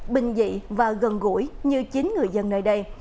bình dị và gần gũi như chính người dân nơi đây